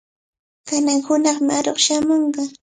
Kanan hunaqmi aruq shamunqa.